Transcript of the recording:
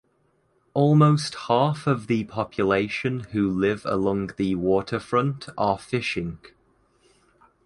Almost half of the population who live along the waterfront are fishing.